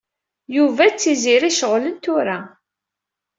Yuba d Tiziri ceɣlen tura.